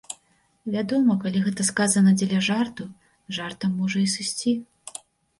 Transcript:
Вядома, калі гэта сказана дзеля жарту, жартам можа і сысці.